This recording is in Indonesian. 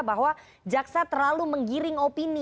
bahwa jaksa terlalu menggiring opini